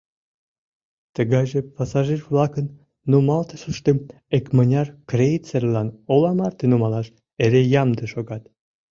тыгайже пассажир-влакын нумалтышыштым икмыняр крейцерлан ола марте нумалаш эре ямде шогат